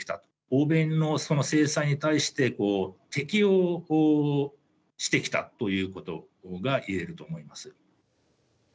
欧米のその制裁に対して、適応してきたということがいえると思います。